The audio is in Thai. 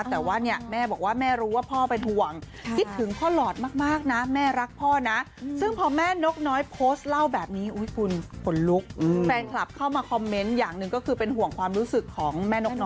แต่แม่บอกว่าแม่รู้ว่าพ่อเป็นห่วง